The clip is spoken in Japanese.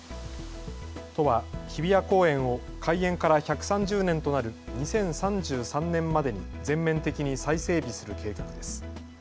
都は日比谷公園を開園から１３０年となる２０３３年までに全面的に再整備する計画です。